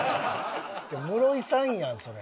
室井さんやんそれ。